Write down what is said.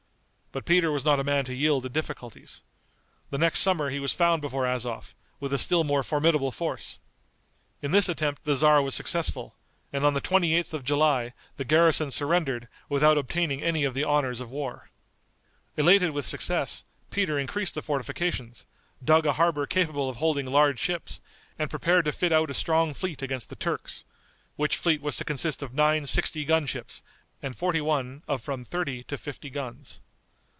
But Peter was not a man to yield to difficulties. The next summer he was found before Azov, with a still more formidable force. In this attempt the tzar was successful, and on the 28th of July the garrison surrendered without obtaining any of the honors of war. Elated with success Peter increased the fortifications, dug a harbor capable of holding large ships, and prepared to fit out a strong fleet against the Turks; which fleet was to consist of nine sixty gun ships, and forty one of from thirty to fifty guns.